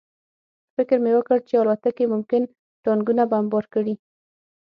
فکر مې وکړ چې الوتکې ممکن ټانکونه بمبار کړي